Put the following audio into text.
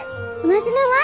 同じ名前？